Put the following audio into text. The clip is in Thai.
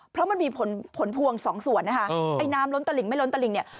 เพราะมันมีผลพวงสองส่วนนะคะไอ้น้ำล้นตะหลิ่งไม่ล้นตะหลิงเนี่ย